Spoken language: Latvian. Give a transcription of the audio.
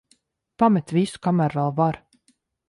Pamet visu, kamēr vēl var.